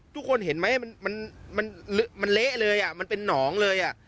ทุกคนเห็นไหมมันเละเลยมันเป็นหนองเลย